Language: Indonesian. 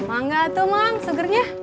enggak tuh mang sugernya